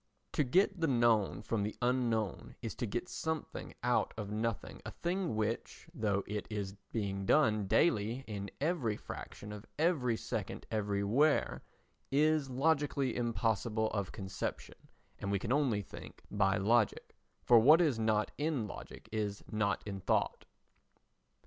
To get the known from the unknown is to get something out of nothing, a thing which, though it is being done daily in every fraction of every second everywhere, is logically impossible of conception, and we can only think by logic, for what is not in logic is not in thought.